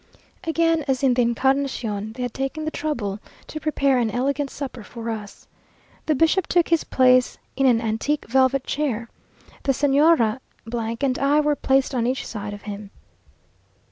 Again, as in the Incarnation, they had taken the trouble to prepare an elegant supper for us. The bishop took his place in an antique velvet chair, the Señora and I were placed on each side of him.